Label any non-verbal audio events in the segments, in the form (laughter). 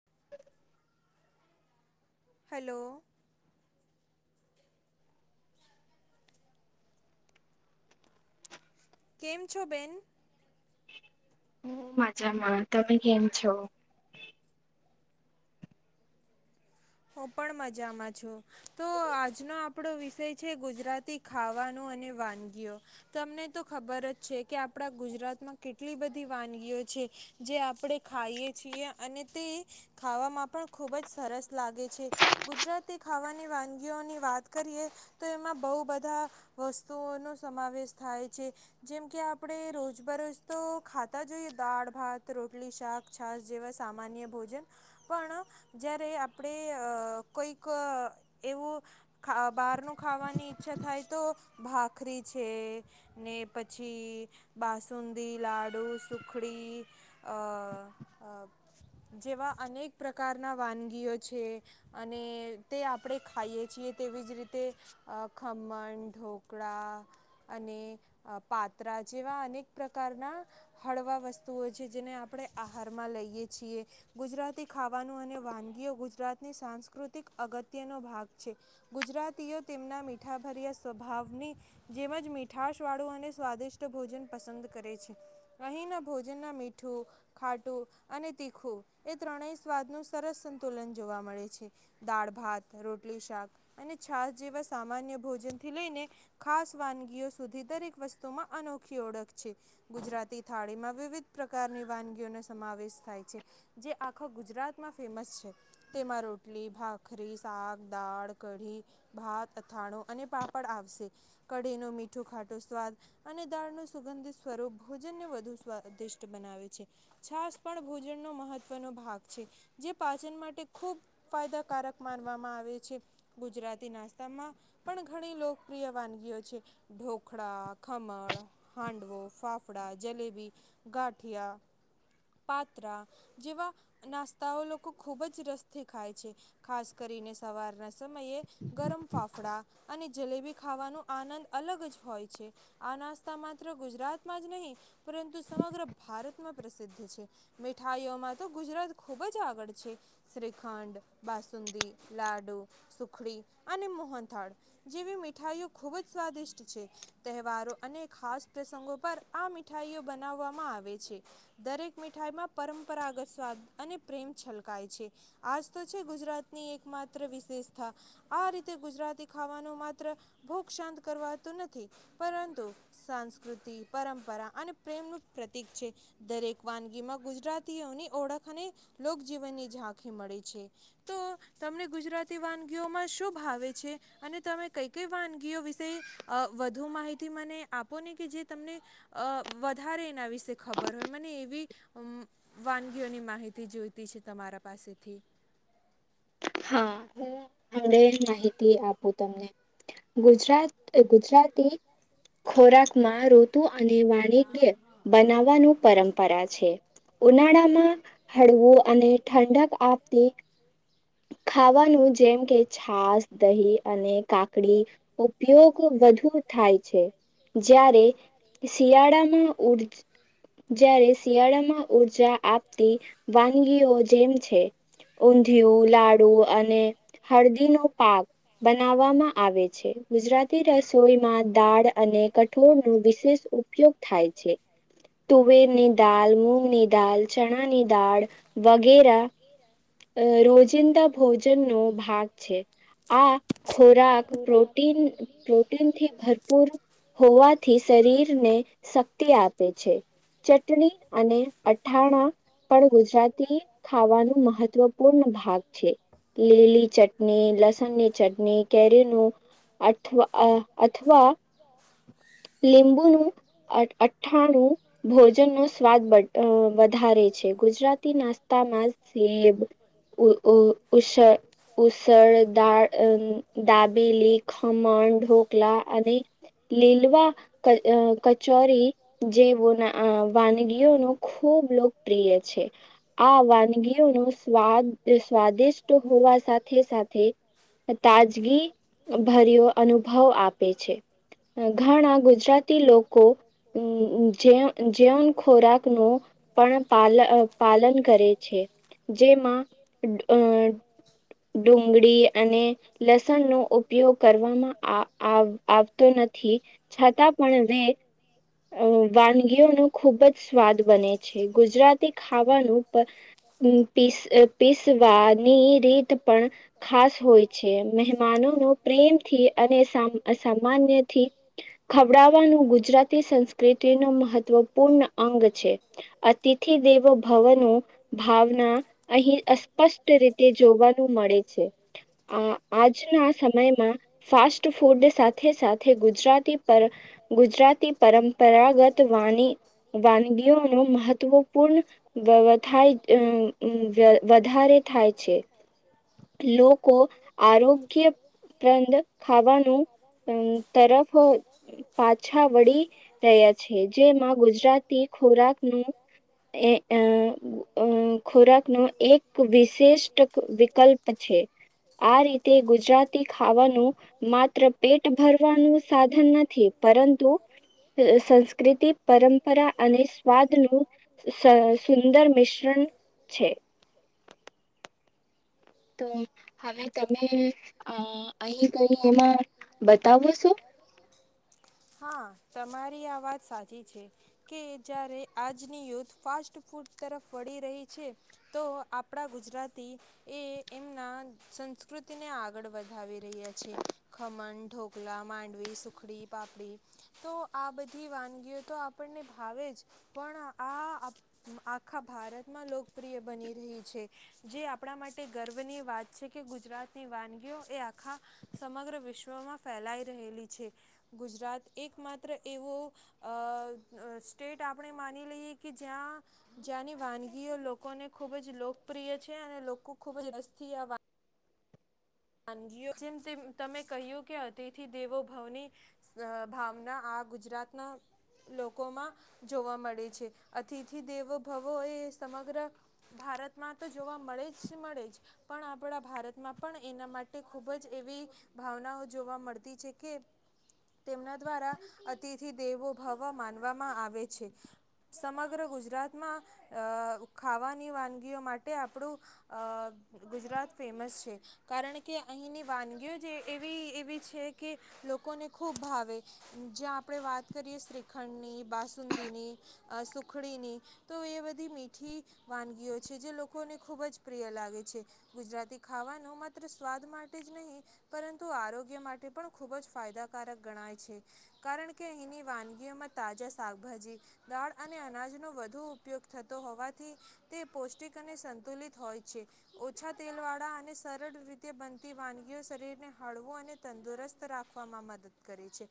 (inaudible) Hello કેમ છો બેન હ મજામાં તમે કેમ છો. હું પણ મજામાં છું તો આજનો આપણો વિષય છે ગુજરાતી ખાવાનો અને વાનગીઓ તમને તો ખબર જ છે કે આપણા ગુજરાતમાં કેટલી બધી વાનગીઓ છે જે આપણે ખાઈએ છીએ અને તે ખાવામાં પણ ખૂબ જ સરસ લાગે છે ગુજરાતી ખાવાની વાનગીઓની વાત કરીએ તો એમાં બહુ બધા વસ્તુઓનો સમાવેશ થાય છે જેમ કે આપણે રોજબરોજ તો ખાતા જોઈએ દાળ ભાત રોટલી શાક છાસ જેવા સામાન્ય ભોજન પણ જ્યારે આ આપણે કોઈક એવું બહારનું ખાવાની ઈચ્છા થાય તો ભાખરી છે ને પછી બાસુંદી, લાડુ, સુખડી અ જેવા અનેક પ્રકારના વાનગીઓ છે અને તે આપણે ખાઈએ છીએ તેવી જ રીતે ખમણ ઢોકળા અને પાત્રા જેવા અનેક પ્રકારના હળવા વસ્તુઓ છે જેને આપણે આહારમાં લઈએ છીએ ગુજરાતી ખાવાનું અને વાનગીઓ ગુજ ગુજરાતની સાંસ્કૃતિક અગત્યનો ભાગ છે. ગુજરાતીઓ તેમના મીઠાભર્યા સ્વભાવની જેમ જ મીઠાશવાળું અને સ્વાદિષ્ટ ભોજન પસંદ કરે છે અહીંના ભોજનના મીઠું ખાટું અને તીખું એ ત્રણેય સ્વાદનું સરસ સંતુલન છે. જોવા મળે છે દાળ ભાત રોટલી શાક અને છાસ જેવા સામાન્ય ભોજનથી લઈને ખાસ વાનગીઓ સુધી દરેક વસ્તુમાં અનોખી ઓળખ છે ગુજરાતી થાળીમાં વિવિધ પ્રકારની વાનગીઓનો સમાવેશ થાય છે જે આખા ગુજરાતમાં ફેમસ છે. તેમા રોટલી ભાખરી શાક દાળ કઢી ભાત અથાણું અને પાપડ આવશે કઢી નુ મીઠું ખાટો સ્વાદ અને દાળ નુ સુગંધિત સ્વરૂપ ભોજનને વધુ સ્વાદિષ્ટ બનાવે છે છાસ પણ ભોજનનો મહત્વનો ભાગ છે જે પાચન માટે ખૂબ ફાયદાકારક માનવામાં આવે છે. ગુજરાતી નાસ્તામાં પણ ઘણી લોકપ્રિય વાનગીઓ છે ઢોકળા, ખમણ હાંડવો, ફાફડા, જલેબી, ગાંઠિયા, પાત્રરાા જેવા નાસ્તાઓ લોકો ખૂબ જ ખાય છે ખાસ કરીને સવારના સમયે ગરમ ફાફડા અને જલેબી ખાવાનો આનંદ અલગ જ હોય છે આ નાસ્તા માત્ર ગુજરાતમાં જ નહીં પરંતુ સમગ્ર ભારતમાં પ્રસિદ્ધ છે મીઠાઈઓમાં તો ગુજરાત ખુબ જ આગળ છે. શ્રીખંડ, બાસુંદીઈ, લાડુ, સુખડી અને મોહનથાળ જેવી મીઠાઈઓ ખૂબ જ સ્વાદિષ્ટ છે તહેવારો અને ખાસ પ્રસંગો પર આ મીઠાઈઓ બનાવવામાં આવે છે દરેક મીઠાઈમાં પરંપરાગત સ્વાદ અને પ્રેમ છલકાય છે. આ ગુજરાતની એક માત્ર વિશેષતા આ રીતે ગુજરાતી ખાવાનું માત્ર ભોગ શાંત કરવાતું નથી પરંતુ સાસ્કૃતિ પરંપરા અને પ્રેમનું પ્રતીક છે દરેક વાનગીમાં ગુજરાતીઓની ઓળખ અને લોકજીવનની ઝાં મળે છે તો તમને ગુજરાતી વાનગીઓમાં શું ભાવે છે અને તમે કઈ-કઈ વાનગીઓ વિશે વધુ માહિતી મને આપો ને કે જે તમને વધારે એના વિશે ખબર હોય મને એવી વાનગીઓની માહિતી જોઈતી છે તમારા પાસેથી. હા હું તમને માહિતી આપું તમને ગુજરાત ગુજરાતી ખોરાકમાં રો અને વાણિજ્ય બનાવવાનું પરંપરા છે ઉનાળામાં. હળવું અને ઠંડક આપતી. ખાવાનું જેમ કે છાસ, દહી અને કાકડી... ઉપયોગ વધુ થાય છે. જ્યારે શિયાળામાં ઉર્જા જ્યારે શિયાળામાં ઉઊર્જા આપતી વાનગીઓ જેમ... છે. ઊંધિયું, લાડુ અને હળદી નો પાક બનાવવામાં આવે છે. ગુજરાતી રસોઈમાં દાળ અને કઠોળ... નો વિશેષ ઉપયોગ થાય છે, તુવેરની દાળ, મૂગની દાળ, ચણાની દાળ વગેરે. રોજિંદા ભોજનનોો ભાગ છે. આ ખોરાક પ્રોટીન પ્રોટીનથી ભરપૂર હોવા... થી શરીરને શક્તિ આપે છે. ચટણી અને અથાણા પણ ગુજરાતી ખાવાનું મહત્વ... મહત્વપૂર્ણ ભાગ છે. લીલી ચટણી લસણની ચટણી કેરીનું અવા અથવા લીંબુનું અઠ્ઠાણું ભોજન... નો સ્વાદ વધારે છે, ગુજરાતી નાસ્તામાં સેબ... ઉસળદાર દાબેલી, ખમણ ઢોકલા અને લીલવા કચોરી જેવા... નું ખૂબ લોકપ્રિય છે આ વાનગીઓનું... સ્વાદ સ્વાદિષ્ટ હોવા સાથે સાથે તાજગી ભર્યો અનુભવ આપે છે. ઘણા ગુજરાતી લોકો જે... નું પણ પાલન કરે છે. ડુંગળી અને લસણનો ઉપયોગ કરવામાં આવતો નથી, છતાં પણ વે વાનગીઓનો... સ્વાદ બને છે. ગુજરાતી ખાવાનું... પીસવાની રીત પણ ખાસ હોય છે. મહેમાનો ન પ્રેમથી અને સા સામાન્યથી ખવડાવવાનું ગુજરાતી સંસ્કૃતિનું મહત્વ પૂર્ણ અંગ છે. અતિથિ દેવો ભવનું ભાવના અહી અસ્પષ્ટ રીતે જોવાનું મળે છે. આ આજના સમયમાં ફાસ્ટ ફૂડ સાથે સાથે ગુજરાતી પર ગુજરાતી પરંપરાગત વાનગીઓનું મહત્ત્વપૂર્ણ વ્યવસ્થાય (unintelligible) વધારે થાય છે. લોકો આરોગ્યપ્રદ ખાવાનું તરફ પાછા વળી રહ્યા છે. જેમાં ગુજરાતી ખોરાક એ આ અ (unintelligible) ખોરાકનો એક વિશેિષ્ટ વિકલ્પ છે. આ રીતે ગુજરાતી ખાવાનું માત્ર પેટ ભરવાનું સાધન નથી, પરંતુ સંસ્કૃતિ, પરંપરા અને સ્વાદ નું સુંદર મિશ્રણ છે. તો, હવે તમે અહી કઈ એમાં બતાવો છો? તમારી આ વાત સાચી છે કે જ્યારે આજની યુથ ફાસ્ટ ફૂડ તરફ વળી રહી છે તો આપણા ગુજરાતી એ એમના સંસ્કૃતિને આગળ વધાવી રહ્યા છે. ખમન ઢોક કલા, માંડવી, સુખડી, પાપડી તો આ બધી વાનગીઓ તો આપણને ભાવે જ પણ આ આખા ભારતમાં લોકપ્રિય બની રહી છે. જે આપણા માટે ગર્વની વાત છે કે ગુજરાતની વાનગીઓ એ આખા સમગ્ર વિશ્વમાં ફેલાઈ રહેલી છે. ગુજરાત એક માત્ર એવો અ સ્ટેટ આપણે માની લઈએ કે જ્યાં જ્યાંની વાનગીઓ લોકોને ખૂબ જ લોકપ્રિય છે અને લોકો ખૂબ જ રસથી આ વા વાનગીઓ જેમ તેમ તમે કહ્યું કે અતિથિ દેવોભવની અ ભાવના આ ગુજરાતના લોકોમાં જોવા મળે છે. અતિથિ દેવોભવો એ સમગ્ર ભારતમાં તો જોવા મળે જ મળે જ પણ આપણા ભારતમાં પણ એના માટે ખૂબ જ એવી ભાવનાઓ જોવા મળતી છે કે તેમના દ્વારા અતિથિ દેવો ભવ માનવામાં આવે છે. સમગ્ર ગુજરાતમાં અ ખાવાની વાનગીઓ માટે આપણું અ ગુજરાત ફેમસ છે. કારણ કે અહીંની વાનગીઓ જ એવી એવી છે કે લોકોને ખૂબ ભાવે જ્યાં આપણે વાત કરીએ શ્રીખંડની, બાસુંદીની, અ સુખડીની તો એ બધી મીઠી વાનગીઓ છે જે લોકોને ખૂબ જ પ્રિય લાગે છે. ગુજરાતી ખાવાનું માં માત્ર સ્વાદ માટે જ નહીં પરંતુ આરોગ્ય માટે પણ ખૂબ જ ફાયદાકારક ગણાય છે. કારણ કે અહીંની વાનગીઓમાં તાજા શાકભાજી, દાળ અને અનાજનો વધુ ઉપયોગ થતો હોવાથી તે પૌષ્ટિક અને સંતુલિત હોય છે. ઓછા તેલવાળા અને સર રળ રીતે બનતી વાનગીઓ શરીરને હળવું અને તંદુરસ્ત રાખવામાં મદદ કરે છે.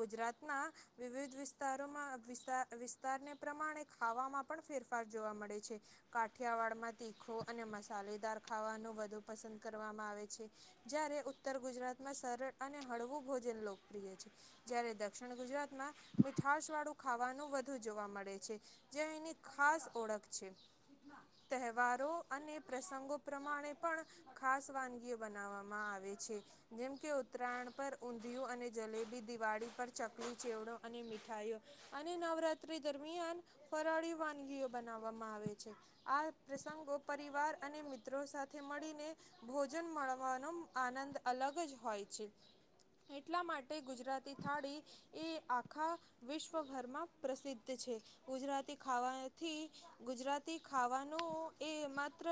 ગુજરાતના વિવિધ વિસ્તારોમાં વિસ્તાર વિસ્તારને પ્રમાણે ખાવામાં પણ ફેરફાર જોવા મળે છે. કાઠિયાવાડમાં તીખો અને મસાલેદાર ખાવાનું વધુ પસંદ કરવામાં આવે છે. જ્યારે ઉત્તર ગુજરાતમાં સરળ અને હળવું ભોજન લોકપ્રિય છે. જ્યારે દક્ષિણ ગુજરાતમાં મીઠાસ વાળું ખાવાનું વધુ જોવા મળે છે. જે અહીંની ખાસ ઓળખ છે. તહેવારો અને પ્રસંગો પ્રમાણે પણ ખાસ વાનગીઓ બનાવવામાં આવે છે. જેમ કે ઉત્તરાયણ પર ઊંધિયું અને જલેબી દિવાળી પર ચકલી ચેવડો અને મીઠાઈઓ અને નવરાત્રી દરમિયાન ફરાળી વાનગીઓ બનાવવામાં આવે છે. આ પ્રસંગો પરિવાર અને મિત્રો સાથે મળીને ભોજન મળવાનો આનંદ અલગ જ હોય છે. એટલા માટે ગુજરાતી થાળી એ આખા વિશ્વભરમાં પ્રસિદ્ધ છે. ગુજરાતી ખાવાથી ગુજરાતી ખાવાનું એ માત્ર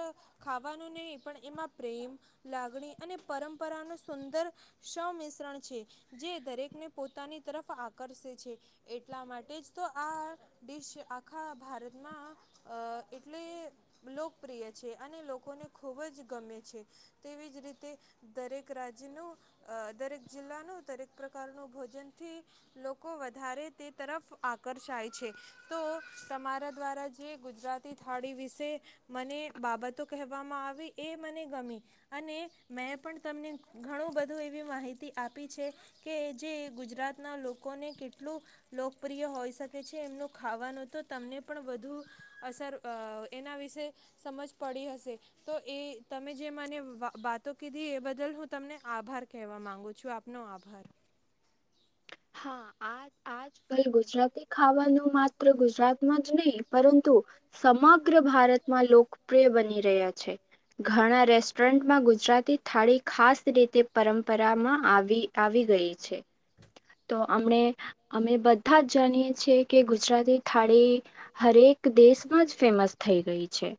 ખાવાનું નહીં પણ એમાં પ્રેમ, લાગણી અને પરંપરાનું સુંદર સંમિશ્રણ છે જે દરેકને પોતાની તરફ આકર્ષે છે. એટલા માટે જ તો આ ડીશ આખા ભારતમાં અ એટલે લોકપ્રિય છે અને લોકોને ખૂબ જ ગમે. છે. તેવી જ રીતે દરેક રાજ્યનું અ દરેક જિલ્લાનું દરેક પ્રકારનું ભોજનથી લોકો વધારે તે તરફ આકર્ષાય છે. તો તમારા દ્વારા જે ગુજરાતી થાળી વિશે મને બાબતો કહેવામાં આવી એ મને ગમી અને મેં પણ તમને ઘણું બધું એવી માહિતી આપી છે કે જે ગુજરાતના લોકોને કેટલું લોકપ્રિય હોઈ શકે છે. એમનું ખાવાનો તો તમને પણ વધુ અસર અ એના વિશે સમજ પડી હશે તો એ તમે જે મને વા વાતો કીધી એ બદલ હું તમને આભાર કહેવા માંગુ છું. આપનો આભાર. હા આ આજકલ ગુજરાતી ખાવાનું માત્ર ગુજરાતમાં જ નહીં પરંતુ સમગ્ર ભારતમાં લોકપ્રિય બની રહ્યા છે. ઘણા રેસ્ટોરન્ટમાં ગુજરાતી થાળી ખાસ રીતે પરંપરામાં આવી આવી ગઈ છે. તો અમણે અમે બધ બધા જ જાનીએ છીએ કે ગુજરાતી થાળી હરેક દેશમાં જ ફેમસ થઈ ગઈ છે.